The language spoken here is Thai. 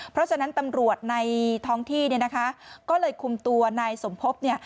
เพราะฉะนั้นตำรวจในท้องที่ก็เลยคุมตัวนายสมภพ